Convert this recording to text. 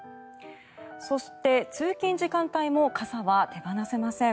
そして、通勤時間帯も傘は手放せません。